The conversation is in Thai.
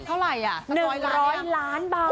เท่าไหร่อ่ะ๑๐๐ล้านบาท